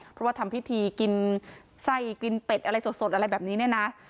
เพราะว่าทำพิธีกินไส้กินเป็ดอะไรสดอะไรแบบนี้เนี่ยนะ